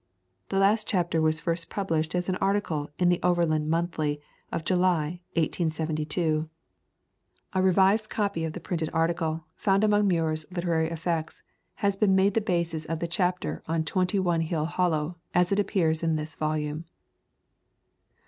The last chapter was first published as an ar ticle in the Overland Monthly of July, 1872. [ xxvi ] Introduction A revised copy of the printed article, found among Muir's literary effects, has been made the basis of the chapter on Twenty Hill Hol low as it appears in this volume.